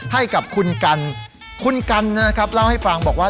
ให้กับคุณกันคุณกันนะครับเล่าให้ฟังบอกว่า